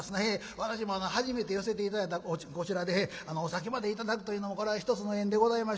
私も初めて寄せていただいたこちらでお酒までいただくというのもこれは一つの縁でございまして」。